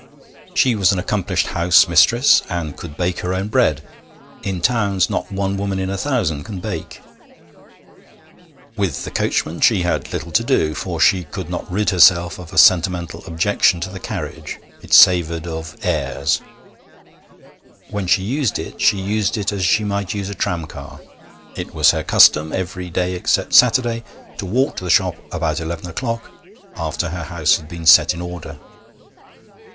She was an accomplished house mistress, and could bake her own bread: in towns not one woman in a thousand can bake. With the coachman she had little to do, for she could not rid herself of a sentimental objection to the carriage it savoured of 'airs'; when she used it she used it as she might use a tramcar. It was her custom, every day except Saturday, to walk to the shop about eleven o'clock, after her house had been set in order.